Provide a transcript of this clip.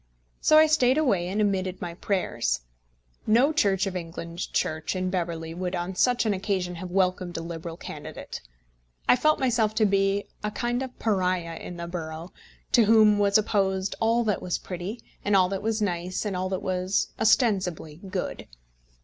So I stayed away and omitted my prayers. No Church of England church in Beverley would on such an occasion have welcomed a Liberal candidate. I felt myself to be a kind of pariah in the borough, to whom was opposed all that was pretty, and all that was nice, and all that was ostensibly good.